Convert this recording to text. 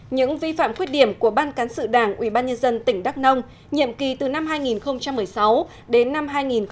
những vi phạm khuyết điểm của ban cán sự đảng ủy ban nhân dân tỉnh đắk nông nhiệm kỳ từ năm hai nghìn một mươi sáu đến năm hai nghìn một mươi tám